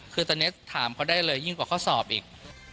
คือตอนนี้ถามเขาได้เลยยิ่งกว่าข้อสอบอีก